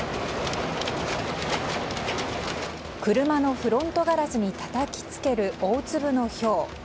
車のフロントガラスにたたきつける大粒のひょう。